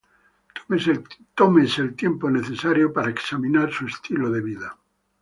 tómese el tiempo necesario para examinar su estilo de vida